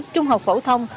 trung học phổ thông